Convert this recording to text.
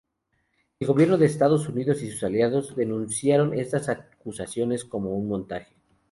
El gobierno de Estados Unidos y sus aliados denunciaron estas acusaciones como un montaje.